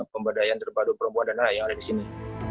pembedaian terhadap perempuan dan anak yang ada di sini